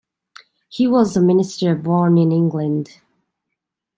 He was a minister born in England.